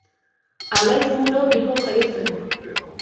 Alaitz Muro Bilbon jaio zen.